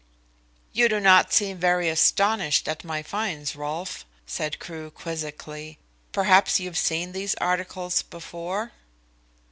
"You do not seem very astonished at my finds, Rolfe," said Crewe quizzically. "Perhaps you've seen these articles before?"